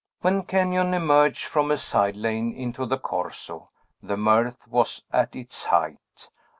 When Kenyon emerged from a side lane into the Corso, the mirth was at its height.